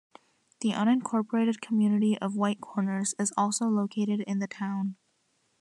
The unincorporated community of White Corners is also located in the town.